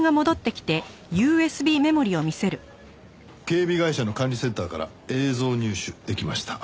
警備会社の管理センターから映像入手できました。